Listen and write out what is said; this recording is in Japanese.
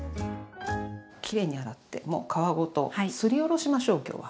きれいに洗ってもう皮ごとすりおろしましょう今日は。